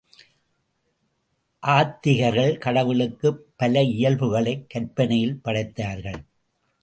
ஆத்திகர்கள் கடவுளுக்குப் பல இயல்புகளைக் கற்பனையில் படைத்தார்கள்.